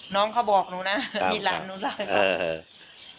น้องเขาบอกหนูนะที่หลังหนูครับ